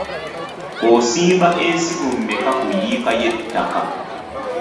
Osimba ensigo mmeka ku yiika y'ettaka?